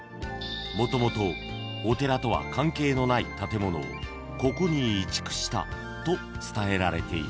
［もともとお寺とは関係のない建物をここに移築したと伝えられています］